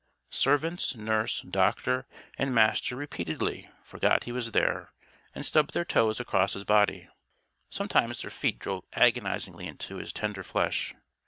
Servants, nurse, doctor, and Master repeatedly forgot he was there, and stubbed their toes across his body. Sometimes their feet drove agonizingly into his tender flesh.